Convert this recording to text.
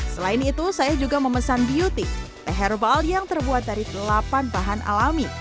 selain itu saya juga memesan beauty teh herbal yang terbuat dari delapan bahan alami